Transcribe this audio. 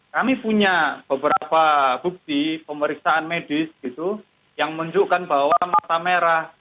kami punya beberapa bukti pemeriksaan medis yang menunjukkan bahwa mata merah